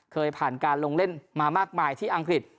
เคยผ่านการลงเล่นมามากมายที่อังกฤษ